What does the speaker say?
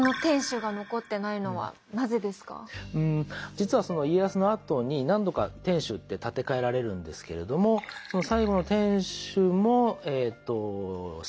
実はその家康のあとに何度か天守って建て替えられるんですけれどもその最後の天守も１６５７年だったかな。